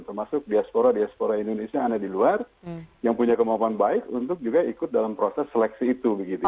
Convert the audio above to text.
termasuk diaspora diaspora indonesia yang ada di luar yang punya kemampuan baik untuk juga ikut dalam proses seleksi itu